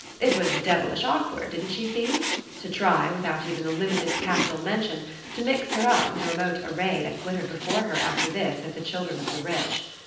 It was devilish awkward, didn't she see? to try, without even the limited capital mentioned, to mix her up with a remote array that glittered before her after this as the children of the rich.